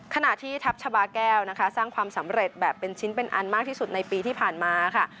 ขณะที่ทัพชาบาแก้วนะคะสร้างความสำเร็จแบบเป็นชิ้นเป็นอันมากที่สุดในปีที่ผ่านมาค่ะ